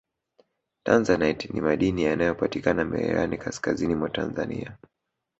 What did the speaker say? tanzanite ni madini yanayopatikana mererani kaskazini mwa tanzania